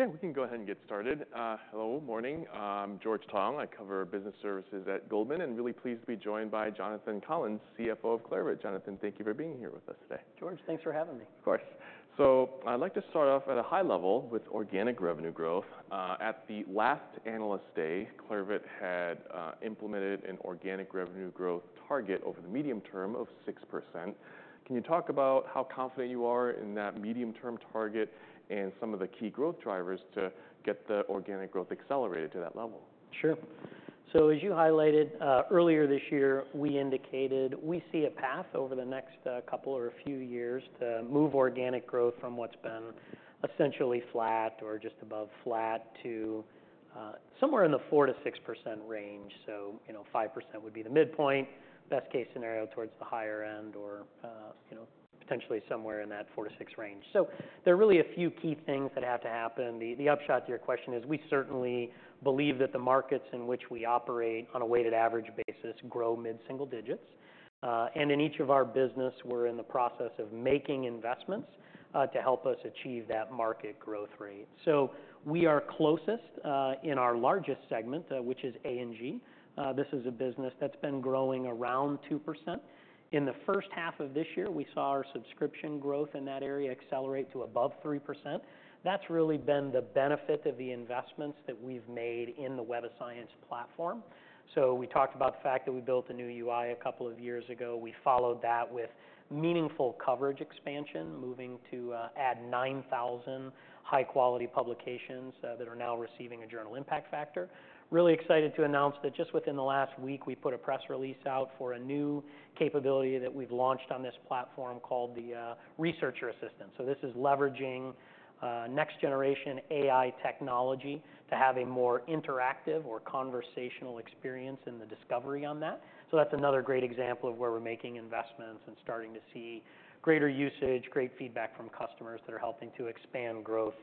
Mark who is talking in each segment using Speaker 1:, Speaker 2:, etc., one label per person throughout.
Speaker 1: Okay, we can go ahead and get started. Hello, morning. I'm George Tong. I cover business services at Goldman, and really pleased to be joined by Jonathan Collins, CFO of Clarivate. Jonathan, thank you for being here with us today.
Speaker 2: George, thanks for having me.
Speaker 1: Of course. So I'd like to start off at a high level with organic revenue growth. At the last Analyst Day, Clarivate had implemented an organic revenue growth target over the medium term of 6%. Can you talk about how confident you are in that medium-term target and some of the key growth drivers to get the organic growth accelerated to that level?
Speaker 2: Sure. So as you highlighted earlier this year, we indicated we see a path over the next couple or a few years to move organic growth from what's been essentially flat or just above flat to somewhere in the 4-6% range. So you know, 5% would be the midpoint. Best case scenario, towards the higher end or you know, potentially somewhere in that 4-6% range. So there are really a few key things that have to happen. The upshot to your question is, we certainly believe that the markets in which we operate on a weighted average basis grow mid-single digits. And in each of our business, we're in the process of making investments to help us achieve that market growth rate. So we are closest in our largest segment, which is A&G. This is a business that's been growing around 2%. In the first half of this year, we saw our subscription growth in that area accelerate to above 3%. That's really been the benefit of the investments that we've made in the Web of Science platform, so we talked about the fact that we built a new UI a couple of years ago. We followed that with meaningful coverage expansion, moving to add 9,000 high-quality publications that are now receiving a Journal Impact Factor. Really excited to announce that just within the last week, we put a press release out for a new capability that we've launched on this platform called the Researcher Assistant, so this is leveraging next generation AI technology to have a more interactive or conversational experience in the discovery on that. So that's another great example of where we're making investments and starting to see greater usage, great feedback from customers that are helping to expand growth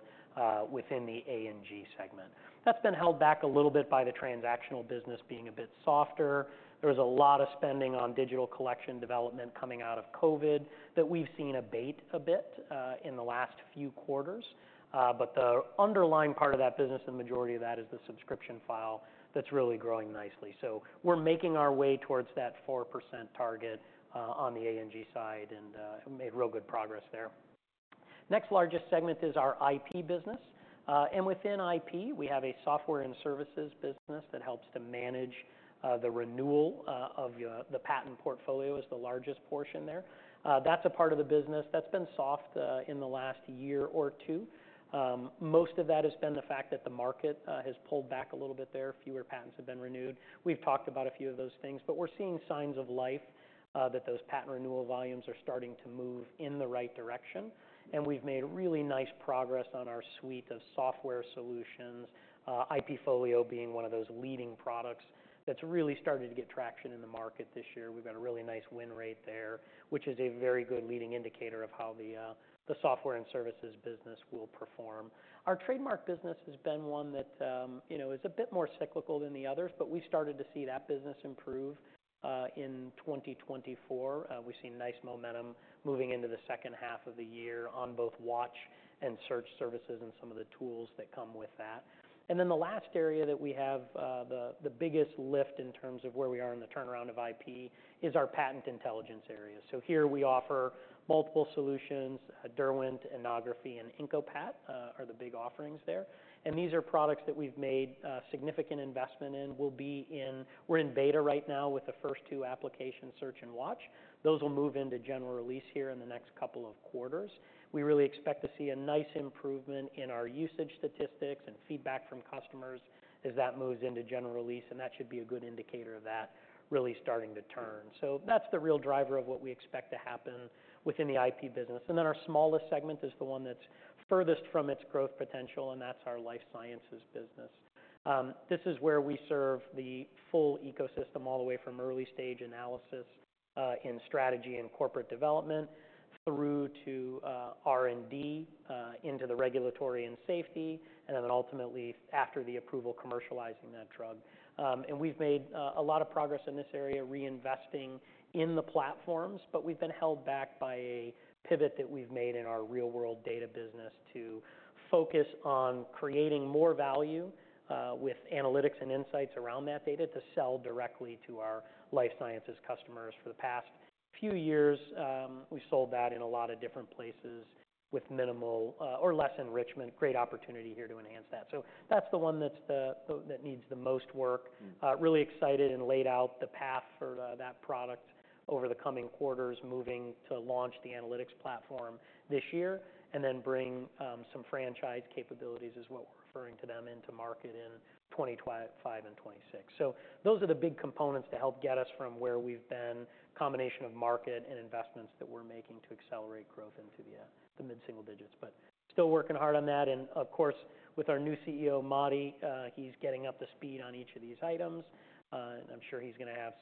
Speaker 2: within the A&G segment. That's been held back a little bit by the transactional business being a bit softer. There was a lot of spending on digital collection development coming out of COVID that we've seen abate a bit in the last few quarters. But the underlying part of that business and majority of that is the subscription file that's really growing nicely. So we're making our way towards that 4% target on the A&G side, and made real good progress there. Next largest segment is our IP business. And within IP, we have a software and services business that helps to manage the renewal of your... The patent portfolio is the largest portion there. That's a part of the business that's been soft in the last year or two. Most of that has been the fact that the market has pulled back a little bit there. Fewer patents have been renewed. We've talked about a few of those things, but we're seeing signs of life that those patent renewal volumes are starting to move in the right direction, and we've made really nice progress on our suite of software solutions, IPfolio being one of those leading products that's really started to get traction in the market this year. We've got a really nice win rate there, which is a very good leading indicator of how the software and services business will perform. Our trademark business has been one that, you know, is a bit more cyclical than the others, but we started to see that business improve in 2024. We've seen nice momentum moving into the second half of the year on both watch and search services and some of the tools that come with that. Then the last area that we have, the biggest lift in terms of where we are in the turnaround of IP, is our patent intelligence area. Here we offer multiple solutions. Derwent, Innography, and IncoPat are the big offerings there, and these are products that we've made a significant investment in. We're in beta right now with the first two applications, Search and Watch. Those will move into general release here in the next couple of quarters. We really expect to see a nice improvement in our usage statistics and feedback from customers as that moves into general release, and that should be a good indicator of that really starting to turn. So that's the real driver of what we expect to happen within the IP business. And then our smallest segment is the one that's furthest from its growth potential, and that's our life sciences business. This is where we serve the full ecosystem, all the way from early-stage analysis in strategy and corporate development, through to R&D into the regulatory and safety, and then ultimately, after the approval, commercializing that drug. And we've made a lot of progress in this area, reinvesting in the platforms, but we've been held back by a pivot that we've made in our real-world data business to focus on creating more value with analytics and insights around that data to sell directly to our life sciences customers. For the past few years, we sold that in a lot of different places with minimal or less enrichment. Great opportunity here to enhance that. So that's the one that needs the most work.
Speaker 1: Mm-hmm.
Speaker 2: Really excited and laid out the path for that product over the coming quarters, moving to launch the analytics platform this year, and then bring some franchise capabilities, is what we're referring to them, into market in 2025 and 2026. So those are the big components to help get us from where we've been, combination of market and investments that we're making to accelerate growth into the mid-single digits. But still working hard on that. And of course, with our new CEO, Matti, he's getting up to speed on each of these items. I'm sure he's gonna have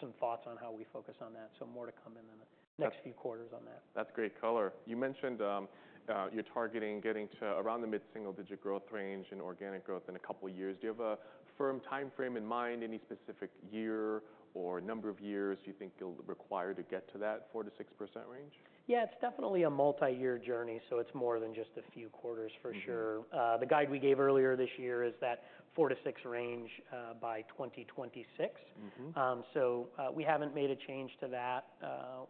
Speaker 2: some thoughts on how we focus on that. So more to come in the-
Speaker 1: That-
Speaker 2: next few quarters on that.
Speaker 1: That's great color. You mentioned, you're targeting getting to around the mid-single-digit growth range in organic growth in a couple of years. Do you have a firm timeframe in mind, any specific year or number of years you think you'll require to get to that 4%-6% range?
Speaker 2: Yeah, it's definitely a multi-year journey, so it's more than just a few quarters, for sure.
Speaker 1: Mm-hmm.
Speaker 2: The guide we gave earlier this year is that four to six range by 2026.
Speaker 1: Mm-hmm.
Speaker 2: So, we haven't made a change to that.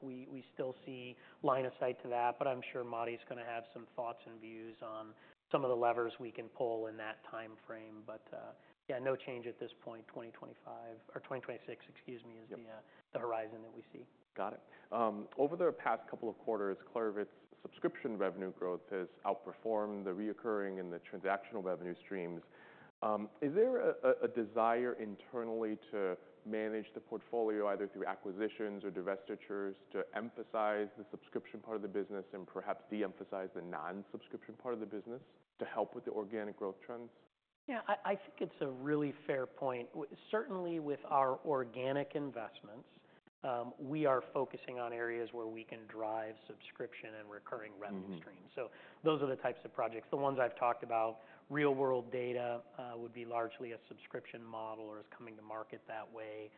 Speaker 2: We still see line of sight to that, but I'm sure Matti's gonna have some thoughts and views on some of the levers we can pull in that timeframe. But, yeah, no change at this point. 2025 or 2026, excuse me, is-
Speaker 1: Yep
Speaker 2: The horizon that we see.
Speaker 1: Got it. Over the past couple of quarters, Clarivate's subscription revenue growth has outperformed the recurring and the transactional revenue streams. Is there a desire internally to manage the portfolio, either through acquisitions or divestitures, to emphasize the subscription part of the business and perhaps de-emphasize the non-subscription part of the business to help with the organic growth trends?
Speaker 2: Yeah, I think it's a really fair point. Certainly, with our organic investments, we are focusing on areas where we can drive subscription and recurring revenue.
Speaker 1: Mm-hmm
Speaker 2: Streams. So those are the types of projects. The ones I've talked about, real-world data, would be largely a subscription model or is coming to market that way.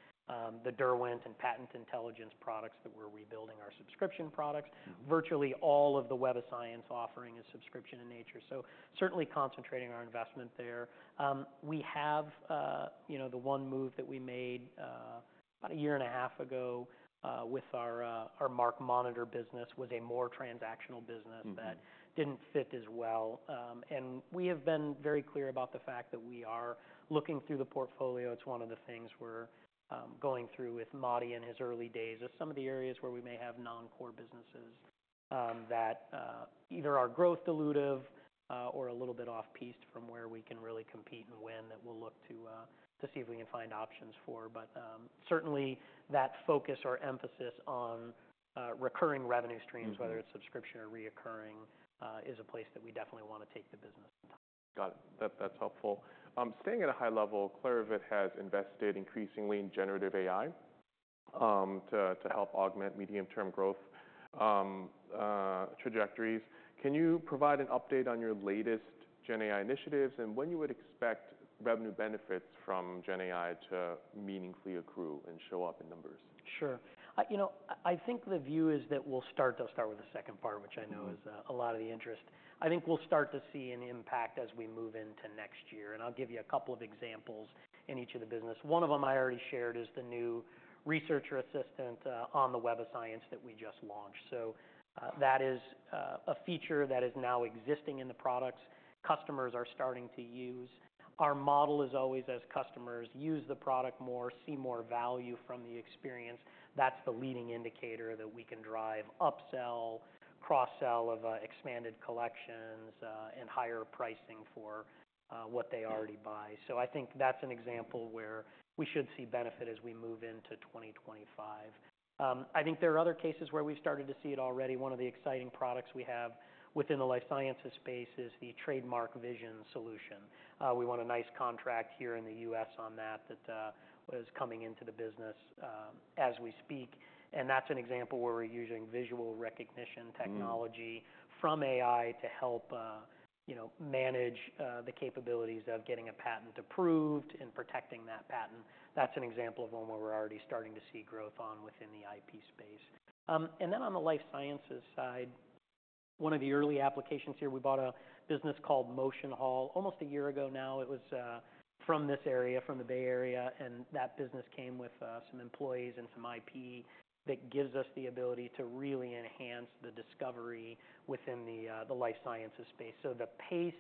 Speaker 2: The Derwent and Patent Intelligence products that we're rebuilding are subscription products.
Speaker 1: Mm.
Speaker 2: Virtually all of the Web of Science offering is subscription in nature, so certainly concentrating our investment there. We have, you know, the one move that we made, about a year and a half ago, with our MarkMonitor business, was a more transactional business.
Speaker 1: Mm-hmm
Speaker 2: That didn't fit as well, and we have been very clear about the fact that we are looking through the portfolio. It's one of the things we're going through with Matti in his early days, as some of the areas where we may have non-core businesses that either are growth dilutive or a little bit off-piste from where we can really compete and win that we'll look to see if we can find options for, but certainly that focus or emphasis on recurring revenue streams-
Speaker 1: Mm-hmm
Speaker 2: Whether it's subscription or recurring, is a place that we definitely want to take the business.
Speaker 1: Got it. That, that's helpful. Staying at a high level, Clarivate has invested increasingly in generative AI, to help augment medium-term growth trajectories. Can you provide an update on your latest GenAI initiatives, and when you would expect revenue benefits from GenAI to meaningfully accrue and show up in numbers?
Speaker 2: Sure. You know, I think the view is that we'll start, I'll start with the second part, which I know.
Speaker 1: Mm
Speaker 2: Is a lot of the interest. I think we'll start to see an impact as we move into next year, and I'll give you a couple of examples in each of the business. One of them I already shared is the new Researcher Assistant on the Web of Science that we just launched. So, that is a feature that is now existing in the products customers are starting to use. Our model is always, as customers use the product more, see more value from the experience, that's the leading indicator that we can drive upsell, cross-sell of expanded collections, and higher pricing for what they already buy.
Speaker 1: Yeah.
Speaker 2: So I think that's an example where we should see benefit as we move into 2025. I think there are other cases where we've started to see it already. One of the exciting products we have within the life sciences space is the TrademarkVision solution. We won a nice contract here in the U.S. on that that is coming into the business as we speak, and that's an example where we're using visual recognition technology.
Speaker 1: Mm
Speaker 2: From AI to help, you know, manage, the capabilities of getting a patent approved and protecting that patent. That's an example of one where we're already starting to see growth on within the IP space. And then on the life sciences side, one of the early applications here, we bought a business called MotionHall, almost a year ago now. It was, from this area, from the Bay Area, and that business came with, some employees and some IP that gives us the ability to really enhance the discovery within the, the life sciences space. So the pace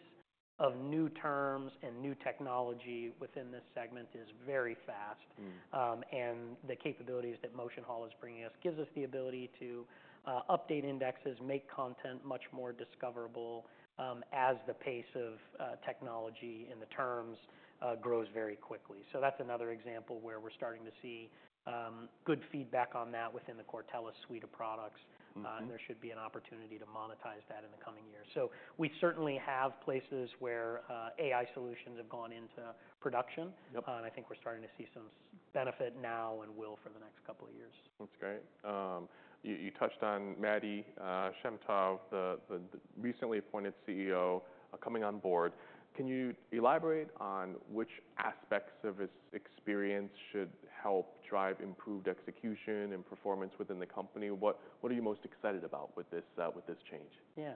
Speaker 2: of new terms and new technology within this segment is very fast.
Speaker 1: Mm.
Speaker 2: And the capabilities that MotionHall is bringing us gives us the ability to update indexes, make content much more discoverable, as the pace of technology and the terms grows very quickly. So that's another example where we're starting to see good feedback on that within the Cortellis suite of products.
Speaker 1: Mm-hmm.
Speaker 2: And there should be an opportunity to monetize that in the coming years. So we certainly have places where AI solutions have gone into production.
Speaker 1: Yep.
Speaker 2: And I think we're starting to see some benefit now and will for the next couple of years.
Speaker 1: That's great. You touched on Matti Shem Tov, the recently appointed CEO, coming on board. Can you elaborate on which aspects of his experience should help drive improved execution and performance within the company? What are you most excited about with this change?
Speaker 2: Yeah.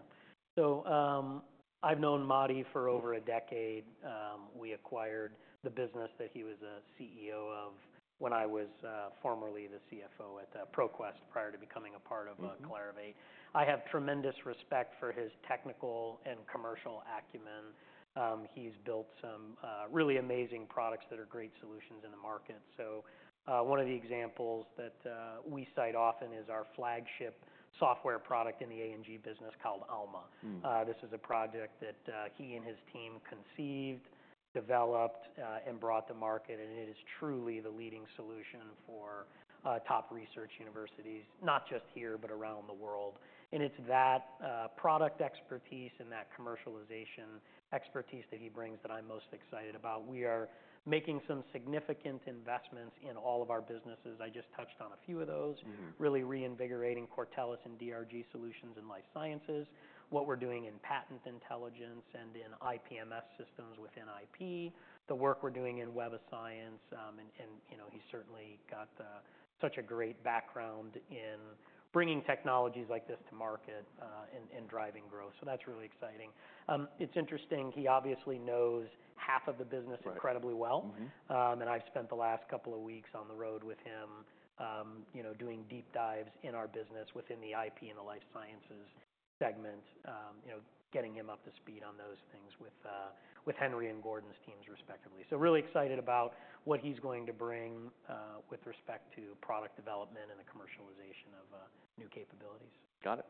Speaker 2: So, I've known Matti for over a decade. We acquired the business that he was a CEO of when I was formerly the CFO at ProQuest, prior to becoming a part of,
Speaker 1: Mm-hmm
Speaker 2: Clarivate. I have tremendous respect for his technical and commercial acumen. He's built some, really amazing products that are great solutions in the market. So, one of the examples that, we cite often is our flagship software product in the A&G business called Alma.
Speaker 1: Mm.
Speaker 2: This is a project that he and his team conceived, developed, and brought to market, and it is truly the leading solution for top research universities, not just here, but around the world. And it's that product expertise and that commercialization expertise that he brings that I'm most excited about. We are making some significant investments in all of our businesses. I just touched on a few of those.
Speaker 1: Mm-hmm.
Speaker 2: Really reinvigorating Cortellis and DRG Solutions and Life Sciences. What we're doing in patent intelligence and in IPMS systems within IP, the work we're doing in Web of Science, and, you know, he's certainly got such a great background in bringing technologies like this to market, and driving growth. So that's really exciting. It's interesting, he obviously knows half of the business incredibly well.
Speaker 1: Mm-hmm.
Speaker 2: And I've spent the last couple of weeks on the road with him, you know, doing deep dives in our business within the IP and the life sciences segment. You know, getting him up to speed on those things with Henry and Gordon's teams, respectively. So really excited about what he's going to bring, with respect to product development and the commercialization of new capabilities.
Speaker 1: Got it.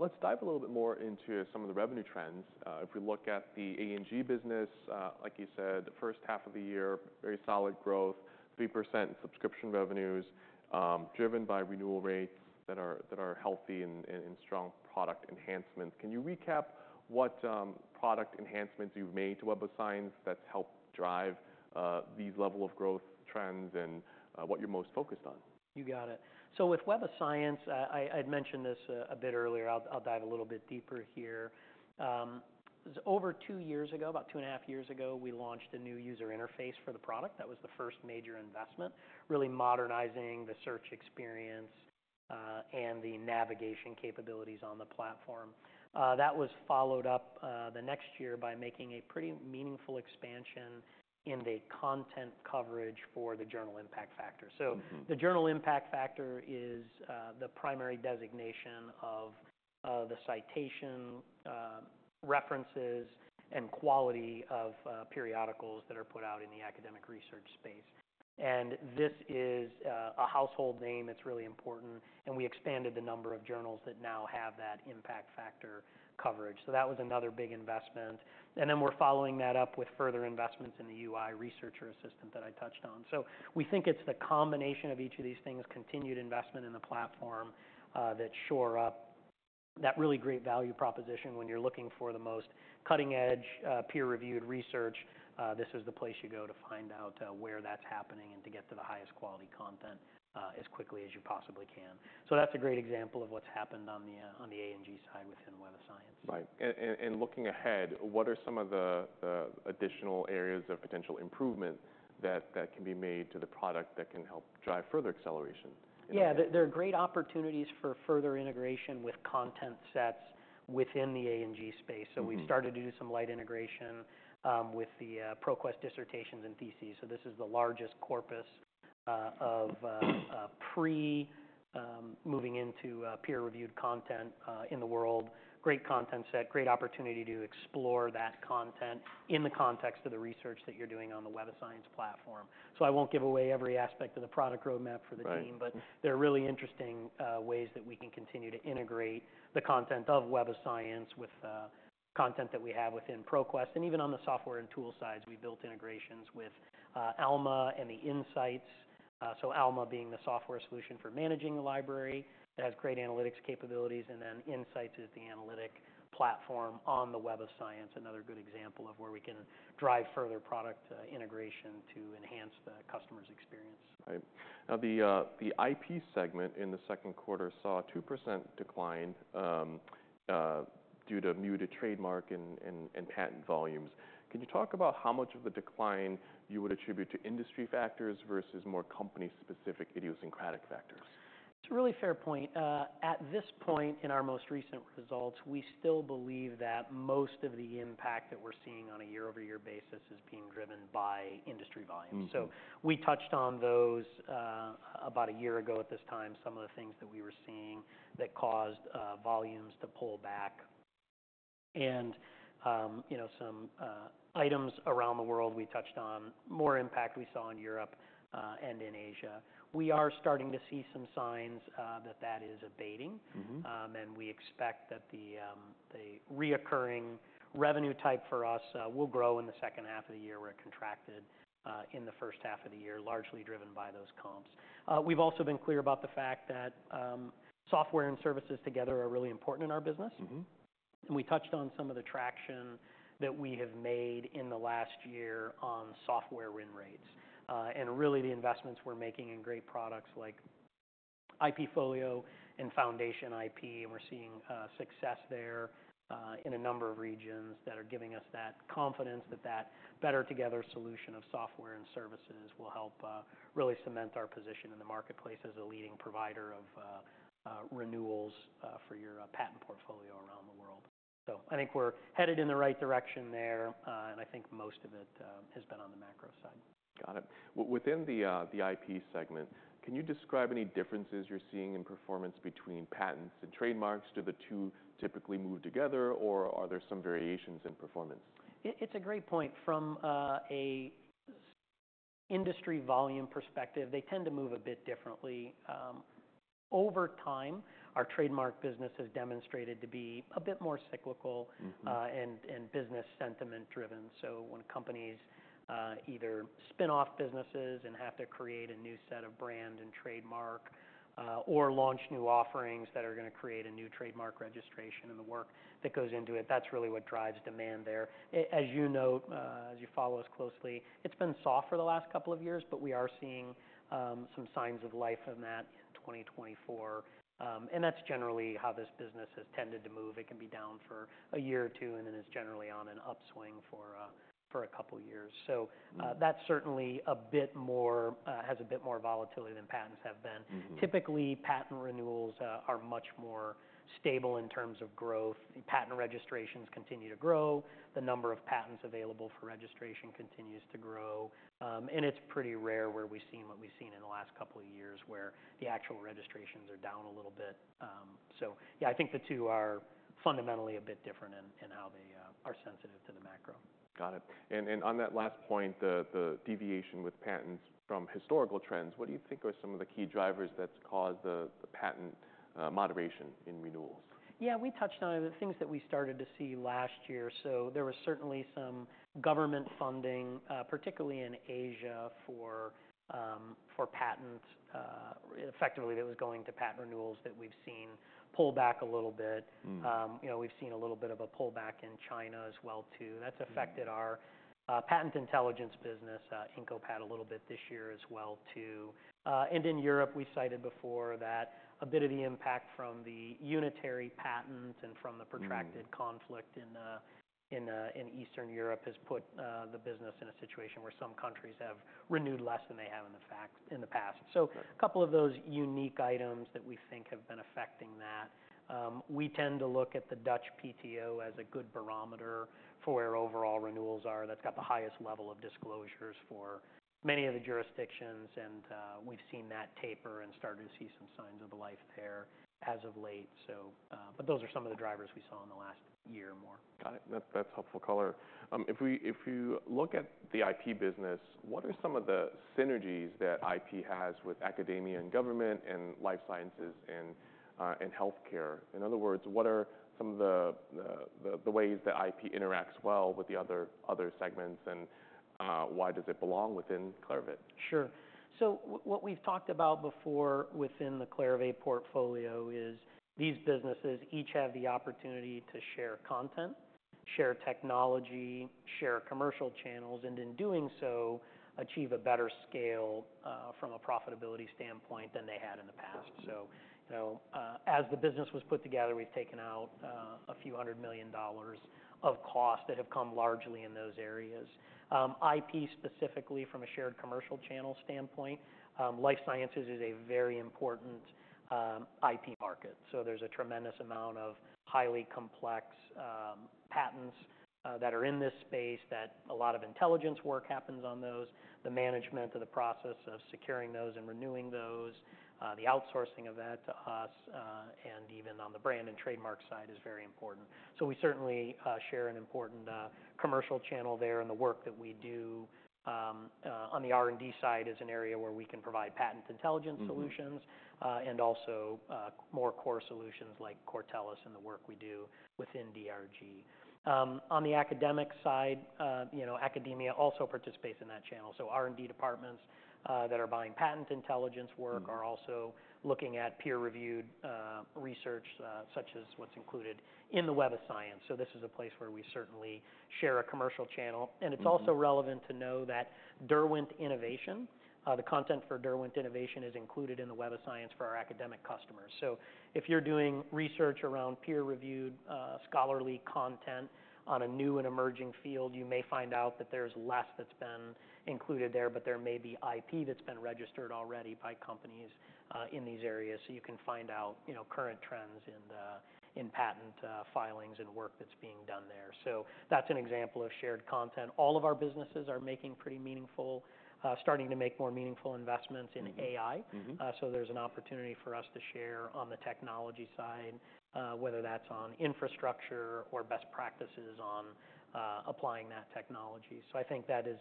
Speaker 1: Let's dive a little bit more into some of the revenue trends. If we look at the A&G business, like you said, the first half of the year, very solid growth, 3% subscription revenues, driven by renewal rates that are healthy and strong product enhancements. Can you recap what product enhancements you've made to Web of Science that's helped drive these level of growth trends and what you're most focused on?
Speaker 2: You got it. So with Web of Science, I had mentioned this a bit earlier. I'll dive a little bit deeper here. Over two years ago, about two and a half years ago, we launched a new user interface for the product. That was the first major investment, really modernizing the search experience and the navigation capabilities on the platform. That was followed up the next year by making a pretty meaningful expansion in the content coverage for the Journal Impact Factor.
Speaker 1: Mm-hmm.
Speaker 2: So the Journal Impact Factor is the primary designation of the citation references and quality of periodicals that are put out in the academic research space. And this is a household name. It's really important, and we expanded the number of journals that now have that impact factor coverage. So that was another big investment, and then we're following that up with further investments in the UI researcher assistant that I touched on. So we think it's the combination of each of these things, continued investment in the platform that shore up that really great value proposition. When you're looking for the most cutting-edge peer-reviewed research, this is the place you go to find out where that's happening and to get to the highest quality content as quickly as you possibly can. So that's a great example of what's happened on the A&G side within Web of Science.
Speaker 1: Right. And looking ahead, what are some of the additional areas of potential improvement that can be made to the product that can help drive further acceleration?
Speaker 2: Yeah. There, there are great opportunities for further integration with content sets within the A&G space.
Speaker 1: Mm-hmm.
Speaker 2: We've started to do some light integration with the ProQuest Dissertations & Theses. This is the largest corpus of pre moving into peer-reviewed content in the world. Great content set, great opportunity to explore that content in the context of the research that you're doing on the Web of Science platform. I won't give away every aspect of the product roadmap for the team-
Speaker 1: Right
Speaker 2: But there are really interesting ways that we can continue to integrate the content of Web of Science with content that we have within ProQuest. And even on the software and tool sides, we've built integrations with Alma and InCites. So Alma being the software solution for managing the library, it has great analytics capabilities, and then InCites is the analytic platform on the Web of Science. Another good example of where we can drive further product integration to enhance the customer's experience.
Speaker 1: Right. Now, the IP segment in the second quarter saw a 2% decline due to muted trademark and patent volumes. Can you talk about how much of a decline you would attribute to industry factors versus more company-specific idiosyncratic factors?
Speaker 2: It's a really fair point. At this point, in our most recent results, we still believe that most of the impact that we're seeing on a year-over-year basis is being driven by industry volumes.
Speaker 1: Mm-hmm.
Speaker 2: So we touched on those, about a year ago at this time, some of the things that we were seeing that caused volumes to pull back. And, you know, some items around the world, we touched on more impact we saw in Europe and in Asia. We are starting to see some signs that that is abating.
Speaker 1: Mm-hmm.
Speaker 2: And we expect that the recurring revenue type for us will grow in the second half of the year, where it contracted in the first half of the year, largely driven by those comps. We've also been clear about the fact that software and services together are really important in our business.
Speaker 1: Mm-hmm.
Speaker 2: And we touched on some of the traction that we have made in the last year on software win rates. And really, the investments we're making in great products like IPfolio and FoundationIP, and we're seeing success there in a number of regions that are giving us that confidence that that better together solution of software and services will help really cement our position in the marketplace as a leading provider of renewals for your patent portfolio around the world. So I think we're headed in the right direction there, and I think most of it has been on the macro side.
Speaker 1: Got it. Well, within the IP segment, can you describe any differences you're seeing in performance between patents and trademarks? Do the two typically move together, or are there some variations in performance?
Speaker 2: It's a great point. From an industry volume perspective, they tend to move a bit differently. Over time, our trademark business has demonstrated to be a bit more cyclical.
Speaker 1: Mm-hmm
Speaker 2: And business sentiment-driven. So when companies either spin off businesses and have to create a new set of brand and trademark, or launch new offerings that are gonna create a new trademark registration and the work that goes into it, that's really what drives demand there. As you know, as you follow us closely, it's been soft for the last couple of years, but we are seeing some signs of life in that in 2024. And that's generally how this business has tended to move. It can be down for a year or two, and then it's generally on an upswing for a couple of years. So-
Speaker 1: Mm-hmm
Speaker 2: That's certainly a bit more, has a bit more volatility than patents have been.
Speaker 1: Mm-hmm.
Speaker 2: Typically, patent renewals are much more stable in terms of growth. Patent registrations continue to grow, the number of patents available for registration continues to grow. And it's pretty rare where we've seen what we've seen in the last couple of years, where the actual registrations are down a little bit. So yeah, I think the two are fundamentally a bit different in how they are sensitive to the macro.
Speaker 1: Got it. And on that last point, the deviation with patents from historical trends, what do you think are some of the key drivers that's caused the patent moderation in renewals?
Speaker 2: Yeah, we touched on the things that we started to see last year. So there was certainly some government funding, particularly in Asia, for patents. Effectively, that was going to patent renewals that we've seen pull back a little bit.
Speaker 1: Mm.
Speaker 2: You know, we've seen a little bit of a pullback in China as well too.
Speaker 1: Mm.
Speaker 2: That's affected our patent intelligence business, IncoPat, a little bit this year as well too, and in Europe, we cited before that a bit of the impact from the Unitary Patent and from the-
Speaker 1: Mm-hmm
Speaker 2: Protracted conflict in Eastern Europe has put the business in a situation where some countries have renewed less than they have in the past.
Speaker 1: Sure.
Speaker 2: So a couple of those unique items that we think have been affecting that. We tend to look at the Dutch PTO as a good barometer for where overall renewals are. That's got the highest level of disclosures for many of the jurisdictions, and we've seen that taper and starting to see some signs of life there as of late. So, but those are some of the drivers we saw in the last year more.
Speaker 1: Got it. That's helpful color. If you look at the IP business, what are some of the synergies that IP has with academia and government and life sciences and healthcare? In other words, what are some of the ways that IP interacts well with the other segments, and why does it belong within Clarivate?
Speaker 2: Sure. So what we've talked about before within the Clarivate portfolio is, these businesses each have the opportunity to share content, share technology, share commercial channels, and in doing so, achieve a better scale from a profitability standpoint than they had in the past.
Speaker 1: Mm-hmm.
Speaker 2: As the business was put together, we've taken out $a few hundred million of costs that have come largely in those areas. IP, specifically from a shared commercial channel standpoint, life sciences is a very important IP market. So there's a tremendous amount of highly complex patents that are in this space that a lot of intelligence work happens on those. The management of the process of securing those and renewing those, the outsourcing of that to us, and even on the brand and trademark side, is very important. So we certainly share an important commercial channel there, and the work that we do on the R&D side is an area where we can provide patent intelligence solutions-
Speaker 1: Mm-hmm
Speaker 2: And also more core solutions like Cortellis and the work we do within DRG. On the academic side, you know, academia also participates in that channel. So R&D departments that are buying patent intelligence work-
Speaker 1: Mm
Speaker 2: Are also looking at peer-reviewed research, such as what's included in the Web of Science. So this is a place where we certainly share a commercial channel.
Speaker 1: Mm-hmm.
Speaker 2: It's also relevant to know that Derwent Innovation, the content for Derwent Innovation is included in the Web of Science for our academic customers. So if you're doing research around peer-reviewed, scholarly content on a new and emerging field, you may find out that there's less that's been included there, but there may be IP that's been registered already by companies in these areas. So you can find out, you know, current trends in patent filings and work that's being done there. So that's an example of shared content. All of our businesses are making pretty meaningful, starting to make more meaningful investments in AI.
Speaker 1: Mm-hmm. Mm-hmm.
Speaker 2: So there's an opportunity for us to share on the technology side, whether that's on infrastructure or best practices on applying that technology. So I think that is,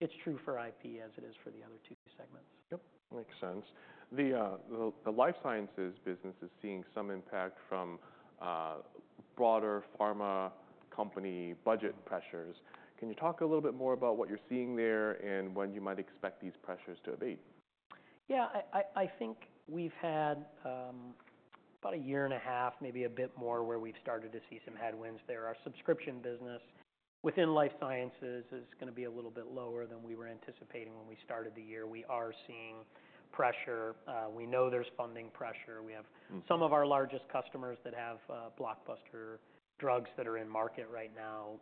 Speaker 2: it's true for IP as it is for the other two segments.
Speaker 1: Yep, makes sense. The life sciences business is seeing some impact from broader pharma company budget pressures. Can you talk a little bit more about what you're seeing there and when you might expect these pressures to abate?
Speaker 2: Yeah, I think we've had about a year and a half, maybe a bit more, where we've started to see some headwinds there. Our subscription business within Life Sciences is gonna be a little bit lower than we were anticipating when we started the year. We are seeing pressure. We know there's funding pressure.
Speaker 1: Mm.
Speaker 2: We have some of our largest customers that have blockbuster drugs that are in market right now,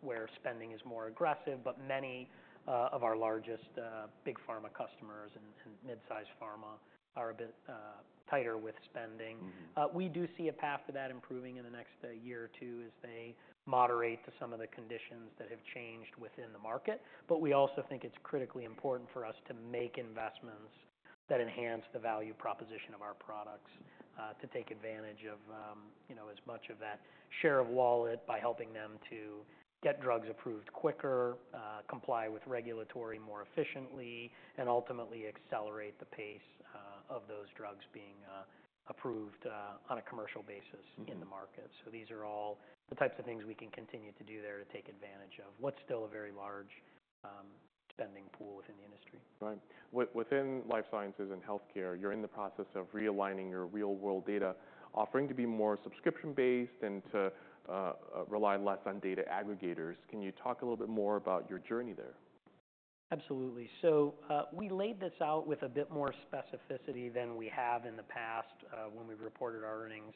Speaker 2: where spending is more aggressive. But many of our largest big pharma customers and mid-sized pharma are a bit tighter with spending.
Speaker 1: Mm-hmm.
Speaker 2: We do see a path to that improving in the next year or two as they moderate to some of the conditions that have changed within the market. But we also think it's critically important for us to make investments that enhance the value proposition of our products to take advantage of, you know, as much of that share of wallet by helping them to get drugs approved quicker, comply with regulatory more efficiently, and ultimately accelerate the pace of those drugs being approved on a commercial basis.
Speaker 1: Mm-hmm
Speaker 2: In the market. So these are all the types of things we can continue to do there to take advantage of what's still a very large, spending pool within the industry.
Speaker 1: Right. Within life sciences and healthcare, you're in the process of realigning your real-world data, offering to be more subscription-based and to rely less on data aggregators. Can you talk a little bit more about your journey there?
Speaker 2: Absolutely. So, we laid this out with a bit more specificity than we have in the past, when we reported our earnings,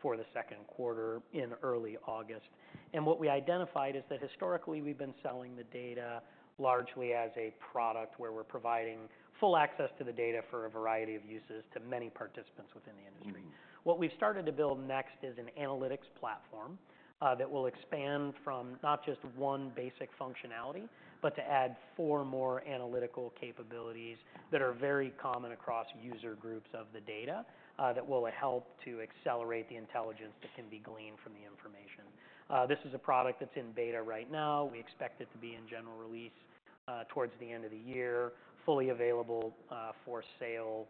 Speaker 2: for the second quarter in early August. And what we identified is that historically, we've been selling the data largely as a product, where we're providing full access to the data for a variety of uses to many participants within the industry. What we've started to build next is an analytics platform, that will expand from not just one basic functionality, but to add four more analytical capabilities that are very common across user groups of the data, that will help to accelerate the intelligence that can be gleaned from the information. This is a product that's in beta right now. We expect it to be in general release, towards the end of the year, fully available, for sale,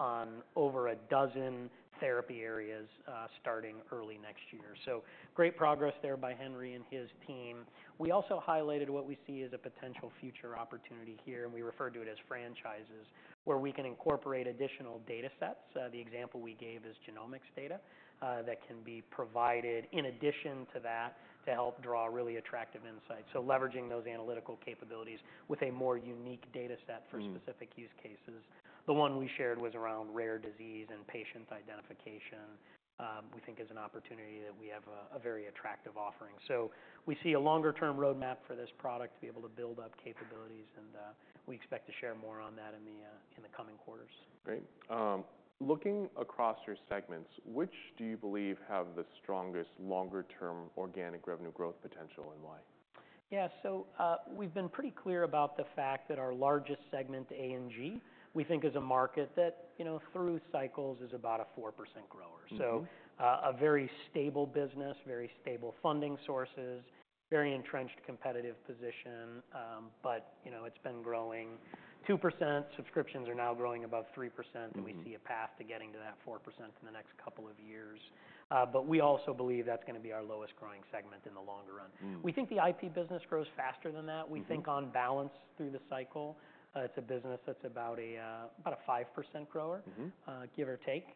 Speaker 2: on over a dozen therapy areas, starting early next year, so great progress there by Henry and his team. We also highlighted what we see as a potential future opportunity here, and we refer to it as franchises, where we can incorporate additional data sets. The example we gave is genomics data, that can be provided in addition to that, to help draw really attractive insights, so leveraging those analytical capabilities with a more unique data set for specific use cases. The one we shared was around rare disease and patient identification. We think it is an opportunity that we have a very attractive offering. So we see a longer-term roadmap for this product to be able to build up capabilities, and we expect to share more on that in the coming quarters.
Speaker 1: Great. Looking across your segments, which do you believe have the strongest longer-term organic revenue growth potential, and why?
Speaker 2: Yeah, so we've been pretty clear about the fact that our largest segment, A&G, we think, is a market that, you know, through cycles is about a 4% grower.
Speaker 1: Mm-hmm.
Speaker 2: So, a very stable business, very stable funding sources, very entrenched, competitive position. But, you know, it's been growing 2%. Subscriptions are now growing above 3%-
Speaker 1: Mm-hmm.
Speaker 2: And we see a path to getting to that 4% in the next couple of years. But we also believe that's gonna be our lowest growing segment in the longer run.
Speaker 1: Mm.
Speaker 2: We think the IP business grows faster than that.
Speaker 1: Mm-hmm.
Speaker 2: We think on balance through the cycle, it's a business that's about a 5% grower.
Speaker 1: Mm-hmm.
Speaker 2: Give or take.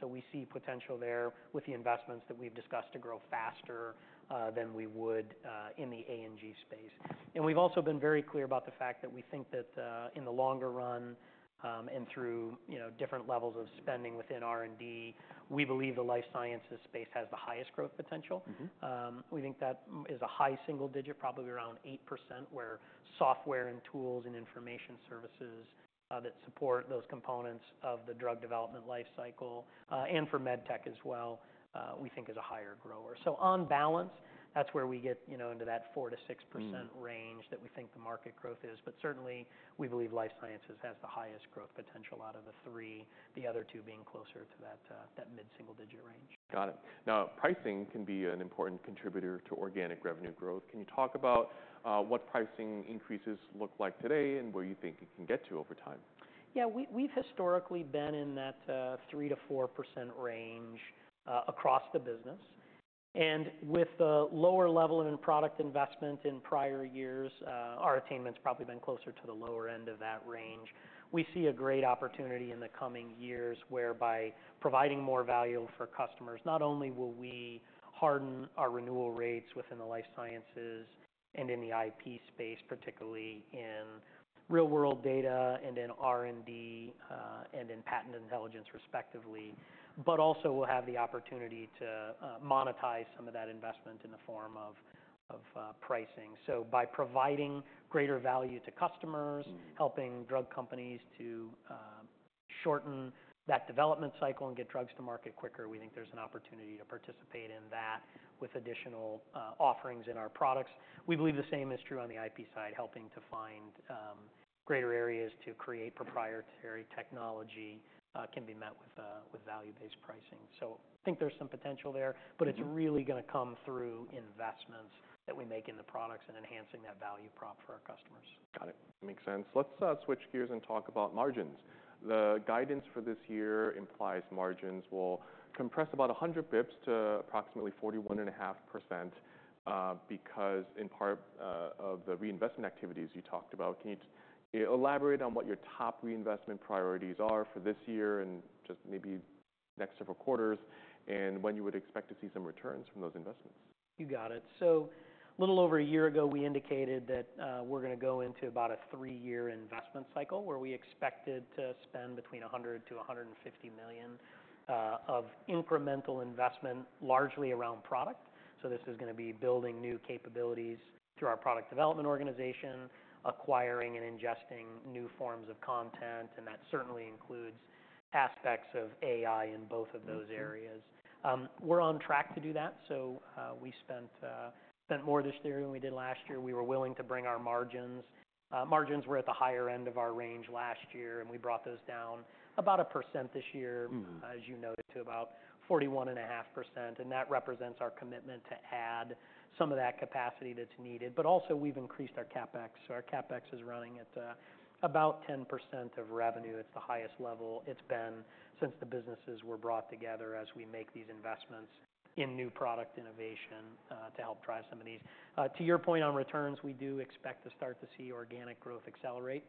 Speaker 2: So we see potential there with the investments that we've discussed to grow faster than we would in the A&G space. And we've also been very clear about the fact that we think that in the longer run and through, you know, different levels of spending within R&D, we believe the life sciences space has the highest growth potential.
Speaker 1: Mm-hmm.
Speaker 2: We think that is a high single digit, probably around 8%, where software and tools and information services that support those components of the drug development life cycle and for med tech as well we think is a higher grower. So on balance, that's where we get, you know, into that 4%-6%.
Speaker 1: Mm
Speaker 2: Range that we think the market growth is. But certainly, we believe life sciences has the highest growth potential out of the three, the other two being closer to that, that mid-single-digit range.
Speaker 1: Got it. Now, pricing can be an important contributor to organic revenue growth. Can you talk about what pricing increases look like today and where you think it can get to over time?
Speaker 2: Yeah, we've historically been in that 3%-4% range across the business. And with the lower level in product investment in prior years, our attainment's probably been closer to the lower end of that range. We see a great opportunity in the coming years, where by providing more value for customers, not only will we harden our renewal rates within the life sciences and in the IP space, particularly in real-world data and in R&D and in patent intelligence, respectively, but also we'll have the opportunity to monetize some of that investment in the form of pricing. So by providing greater value to customers-
Speaker 1: Mm
Speaker 2: Helping drug companies to shorten that development cycle and get drugs to market quicker, we think there's an opportunity to participate in that with additional offerings in our products. We believe the same is true on the IP side, helping to find greater areas to create proprietary technology can be met with value-based pricing. So I think there's some potential there.
Speaker 1: Mm-hmm
Speaker 2: But it's really gonna come through investments that we make in the products and enhancing that value prop for our customers.
Speaker 1: Got it. Makes sense. Let's switch gears and talk about margins. The guidance for this year implies margins will compress about a hundred basis points to approximately 41.5%, because in part of the reinvestment activities you talked about. Can you elaborate on what your top reinvestment priorities are for this year and just maybe next several quarters, and when you would expect to see some returns from those investments?
Speaker 2: You got it. So a little over a year ago, we indicated that, we're gonna go into about a three-year investment cycle, where we expected to spend between $100-$150 million of incremental investment, largely around product. So this is gonna be building new capabilities through our product development organization, acquiring and ingesting new forms of content, and that certainly includes aspects of AI in both of those areas.
Speaker 1: Mm-hmm.
Speaker 2: We're on track to do that. So, we spent more this year than we did last year. We were willing to bring our margins... Margins were at the higher end of our range last year, and we brought those down about 1% this year-
Speaker 1: Mm-hmm
Speaker 2: As you noted, to about 41.5%, and that represents our commitment to add some of that capacity that's needed. But also we've increased our CapEx. So our CapEx is running at, about 10% of revenue. It's the highest level it's been since the businesses were brought together, as we make these investments in new product innovation, to help drive some of these. To your point on returns, we do expect to start to see organic growth accelerate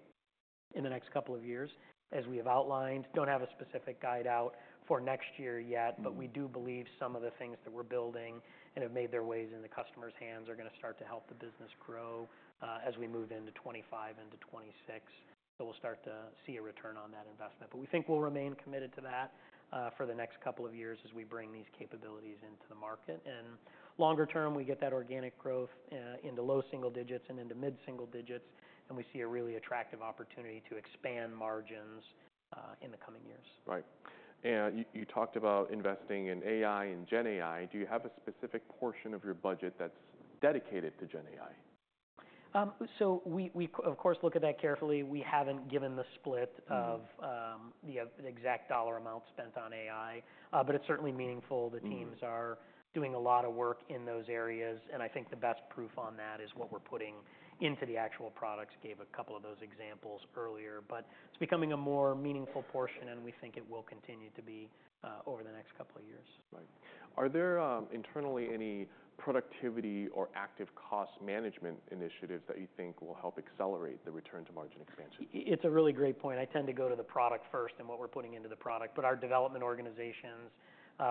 Speaker 2: in the next couple of years, as we have outlined. Don't have a specific guide out for next year yet, but we do believe some of the things that we're building and have made their ways into customers' hands are gonna start to help the business grow, as we move into 2025 and to 2026. So we'll start to see a return on that investment. But we think we'll remain committed to that, for the next couple of years as we bring these capabilities into the market. And longer term, we get that organic growth, into low single digits and into mid single digits, and we see a really attractive opportunity to expand margins, in the coming years.
Speaker 1: Right. And you talked about investing in AI and GenAI. Do you have a specific portion of your budget that's dedicated to GenAI?
Speaker 2: We of course look at that carefully. We haven't given the split-
Speaker 1: Mm.
Speaker 2: Of the exact dollar amount spent on AI, but it's certainly meaningful.
Speaker 1: Mm.
Speaker 2: The teams are doing a lot of work in those areas, and I think the best proof on that is what we're putting into the actual products. Gave a couple of those examples earlier, but it's becoming a more meaningful portion, and we think it will continue to be over the next couple of years.
Speaker 1: Right. Are there, internally, any productivity or active cost management initiatives that you think will help accelerate the return to margin expansion?
Speaker 2: It's a really great point. I tend to go to the product first and what we're putting into the product, but our development organizations,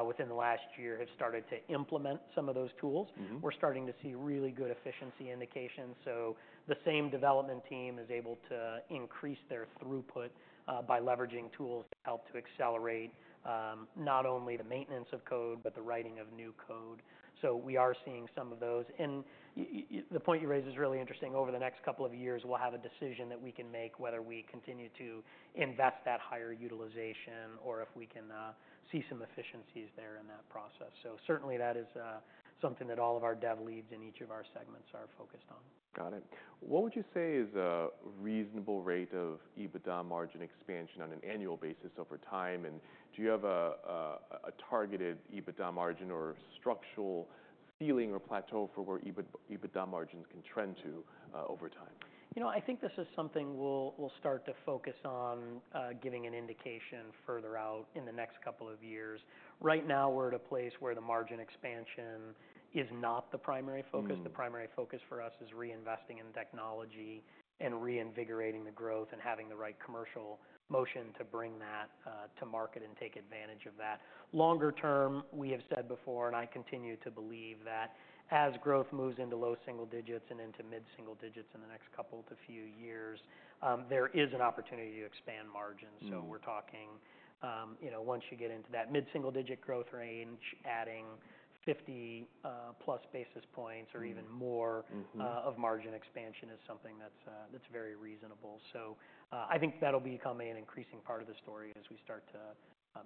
Speaker 2: within the last year, have started to implement some of those tools.
Speaker 1: Mm-hmm.
Speaker 2: We're starting to see really good efficiency indications, so the same development team is able to increase their throughput by leveraging tools to help to accelerate not only the maintenance of code, but the writing of new code. So we are seeing some of those. And the point you raised is really interesting. Over the next couple of years, we'll have a decision that we can make, whether we continue to invest that higher utilization or if we can see some efficiencies there in that process. So certainly, that is something that all of our dev leads in each of our segments are focused on.
Speaker 1: Got it. What would you say is a reasonable rate of EBITDA margin expansion on an annual basis over time? And do you have a targeted EBITDA margin or structural ceiling or plateau for where EBITDA margins can trend to over time?
Speaker 2: You know, I think this is something we'll start to focus on, giving an indication further out in the next couple of years. Right now, we're at a place where the margin expansion is not the primary focus.
Speaker 1: Mm.
Speaker 2: The primary focus for us is reinvesting in technology and reinvigorating the growth and having the right commercial motion to bring that to market and take advantage of that. Longer term, we have said before, and I continue to believe, that as growth moves into low single digits and into mid single digits in the next couple to few years, there is an opportunity to expand margins.
Speaker 1: Mm.
Speaker 2: So we're talking, you know, once you get into that mid-single-digit growth range, adding 50 plus basis points-
Speaker 1: Mm
Speaker 2: Or even more.
Speaker 1: Mm-hmm, mm-hmm
Speaker 2: Of margin expansion is something that's very reasonable. So, I think that'll become an increasing part of the story as we start to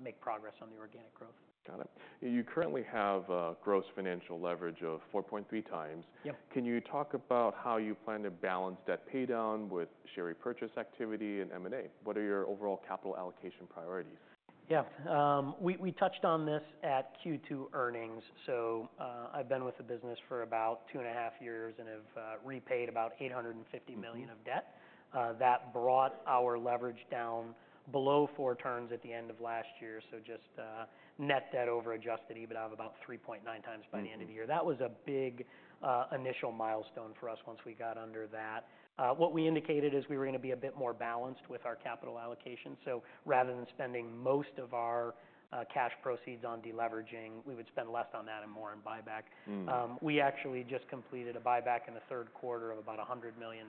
Speaker 2: make progress on the organic growth.
Speaker 1: Got it. You currently have a gross financial leverage of four point three times.
Speaker 2: Yeah.
Speaker 1: Can you talk about how you plan to balance debt paydown with share repurchase activity and M&A? What are your overall capital allocation priorities?
Speaker 2: Yeah. We touched on this at Q2 earnings. So, I've been with the business for about two and a half years and have repaid about $850 million.
Speaker 1: Mm
Speaker 2: Of debt. That brought our leverage down below four turns at the end of last year, so just, net debt over Adjusted EBITDA of about three point nine times by the end of the year.
Speaker 1: Mm.
Speaker 2: That was a big initial milestone for us once we got under that. What we indicated is we were gonna be a bit more balanced with our capital allocation, so rather than spending most of our cash proceeds on deleveraging, we would spend less on that and more on buyback.
Speaker 1: Mm.
Speaker 2: We actually just completed a buyback in the third quarter of about $100 million.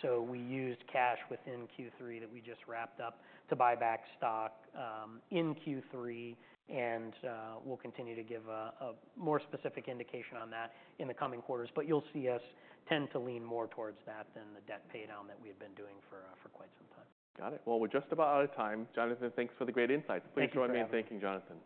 Speaker 2: So we used cash within Q3 that we just wrapped up to buy back stock in Q3, and we'll continue to give a more specific indication on that in the coming quarters. But you'll see us tend to lean more towards that than the debt paydown that we've been doing for quite some time.
Speaker 1: Got it. Well, we're just about out of time. Jonathan, thanks for the great insights.
Speaker 2: Thank you for having me.
Speaker 1: Please join me in thanking Jonathan.